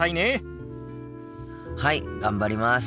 はい頑張ります！